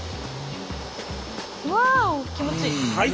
わお気持ちいい！